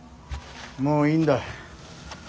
もういいんだ。